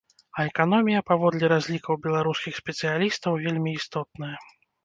А эканомія, паводле разлікаў беларускіх спецыялістаў, вельмі істотная.